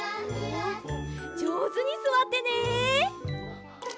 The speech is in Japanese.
じょうずにすわってね！